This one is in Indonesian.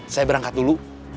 saya berangkat dulu